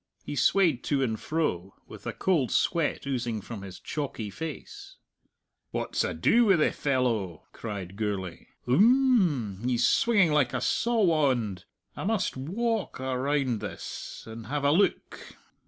He swayed to and fro, with a cold sweat oozing from his chalky face. "What's ado wi' the fellow?" cried Gourlay. "Oom? He's swinging like a saugh wand. I must wa alk round this and have a look!"